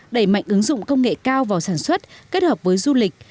đẩy mạnh ứng dụng công nghệ cao vào sản xuất kết hợp với du lịch